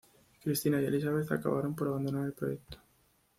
Cristina y Elisabeth acabaron por abandonar el proyecto.